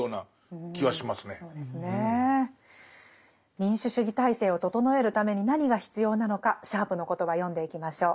民主主義体制を整えるために何が必要なのかシャープの言葉読んでいきましょう。